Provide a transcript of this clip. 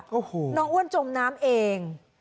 น้องอ้วนจมน้ำเอง